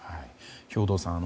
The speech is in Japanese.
兵頭さん